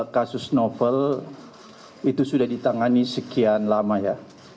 kasus novel itu sudah ditangani sekian lama ya